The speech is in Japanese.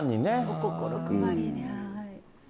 お心配りで。